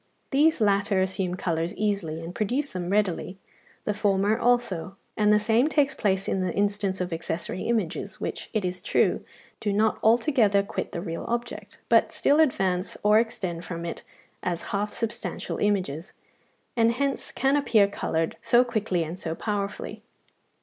These latter assume colours easily, and produce them readily (69), the former also (80); and the same takes place in the instance of accessory images, which, it is true, do not altogether quit the real object, but still advance or extend from it as half substantial images, and hence can appear coloured so quickly and so powerfully.